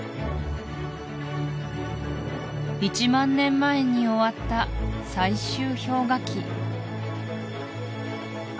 １万年前に終わった最終氷河期